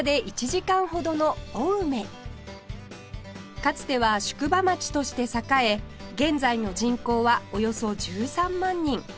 かつては宿場町として栄え現在の人口はおよそ１３万人